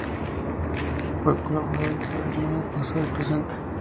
Fue colaborador en "Cuaderno de Pasado y Presente.